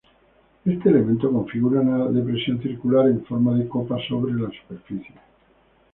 Este elemento configura una depresión circular en forma de copa sobre la superficie.